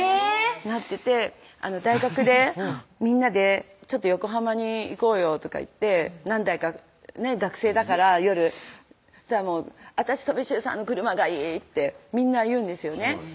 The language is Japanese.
なってて大学でみんなで横浜に行こうよとかいって何台かね学生だから夜「私とみしゅうさんの車がいい！」ってみんな言うんですよね